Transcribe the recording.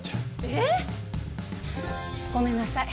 えっ！？ごめんなさい。